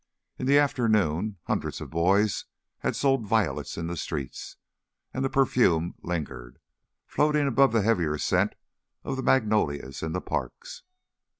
In the afternoon hundreds of boys had sold violets in the streets, and the perfume lingered, floating above the heavier scent of the magnolias in the parks.